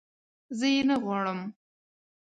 زه یې نه غواړم